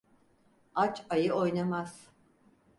Aç ayı oynamaz.